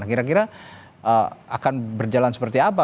kira kira akan berjalan seperti apa